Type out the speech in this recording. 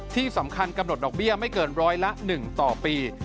ที่สำคัญกำหนดดอกเบี้ยไม่เกินร้อยละ๑ต่อปี